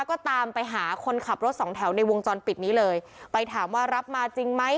ก็ตามไปหาคนขับรถสองแถวในวงจรปิดนี้เลยไปถามว่ารับมาจริงไหม